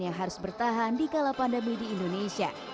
yang harus bertahan di kala pandemi di indonesia